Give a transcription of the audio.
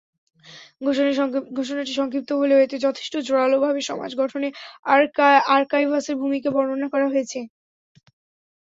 ঘোষণাটি সংক্ষিপ্ত হলেও এতে যথেষ্ট জোরালোভাবে সমাজ গঠনে আর্কাইভসের ভূমিকা বর্ণনা করা হয়েছে।